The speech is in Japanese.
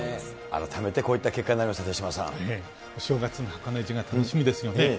改めてこういった結果になりお正月の箱根路が楽しみですよね。